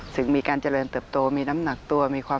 ซึ่งมีการเจริญเติบโตมีน้ำหนักตัว